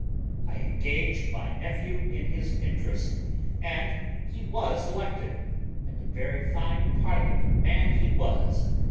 I engaged my nephew in his interest, and he was elected; and a very fine parliament man he was.